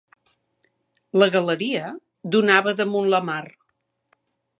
La galeria donava damunt la mar.